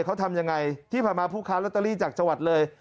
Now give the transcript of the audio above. เขาทำยังไงที่ผ่านมาผู้ค้าลอตเตอรี่จากจังหวัดเลย